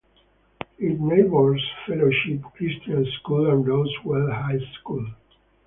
It neighbors Fellowship Christian School and Roswell High School.